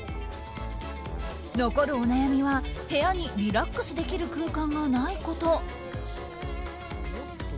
残るお悩みは、部屋にリラックスできる空間がないこと。